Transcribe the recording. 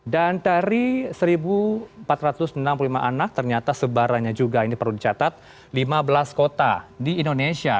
dan dari seribu empat ratus enam puluh lima anak ternyata sebaranya juga ini perlu dicatat lima belas kota di indonesia